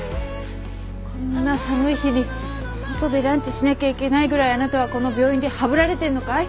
こんな寒い日に外でランチしなきゃいけないぐらいあなたはこの病院でハブられてるのかい？